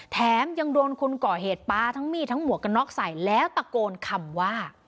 แถมยังโดนคนก่อเหตุปลาทั้งมีดทั้งหมวกกันน็อกใส่แล้วตะโกนคำว่า